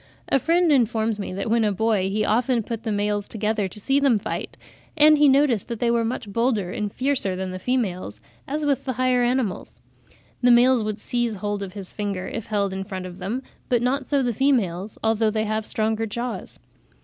A friend informs me that when a boy he often put the males together to see them fight, and he noticed that they were much bolder and fiercer than the females, as with the higher animals. The males would seize hold of his finger, if held in front of them, but not so the females, although they have stronger jaws.